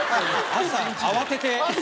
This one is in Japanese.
朝慌てて。